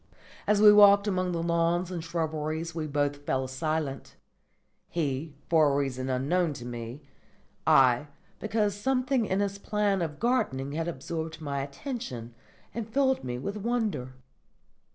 As we walked among the lawns and shrubberies we both fell silent: he, for a reason unknown to me; I, because something in his plan of gardening had absorbed my attention and filled me with wonder.